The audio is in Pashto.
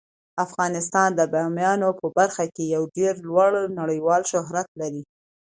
افغانستان د بامیان په برخه کې یو ډیر لوړ نړیوال شهرت لري.